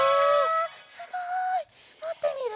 すごい！もってみる？